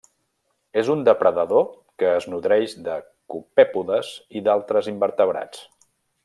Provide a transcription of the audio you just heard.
És un depredador que es nodreix de copèpodes i d'altres invertebrats.